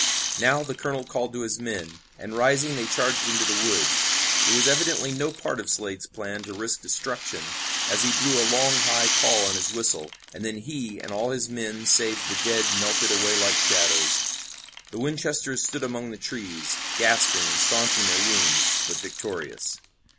Now, the colonel called to his men, and rising they charged into the wood. It was evidently no part of Slade's plan to risk destruction as he blew a long high call on his whistle, and then he and all his men save the dead melted away like shadows. The Winchesters stood among the trees, gasping and staunching their wounds, but victorious.